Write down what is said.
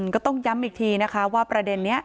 ก็ต้องย้ำอีกทีนะคะว่าประเด็นนี้